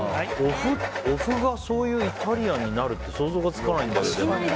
お麩がそういうイタリアンになるって想像がつかないんだよね。